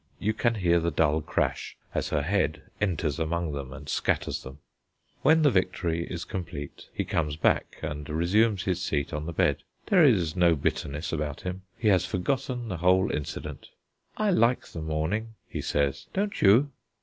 You can hear the dull crash as her head enters among them, and scatters them. When the victory is complete, he comes back and resumes his seat on the bed. There is no bitterness about him; he has forgotten the whole incident. "I like the morning," he says, "don't you?"